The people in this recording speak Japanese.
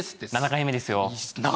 ７回目ですよ？